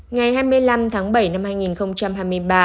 ngày hai mươi năm tháng bảy năm hai nghìn hai mươi ba